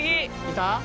いた？